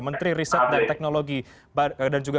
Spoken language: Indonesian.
menteri riset dan teknologi dan juga